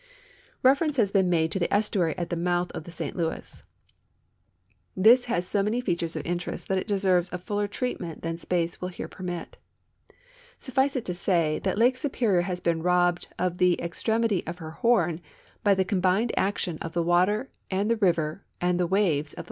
Reference has been made to the estuary at the mouth of the St Louis. This has so many features of interest that it deserves a fuller treatment than space will here i)ermit. SuHice it to say, that Lake Superior has been robbed of the extremity of her horn by the combined action of the water of the river and the waves of the ♦ Report on tlie Water Power of the Nortliwest ; Census of 1880, vol.